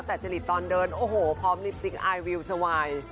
แต่จริตตอนเดินโอ้โหพร้อมลิปซิกอายวิวสวาย